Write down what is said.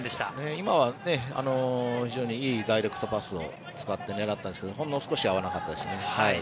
今は非常にいいダイレクトパスを使って狙ったんですがほんの少し合わなかったですね。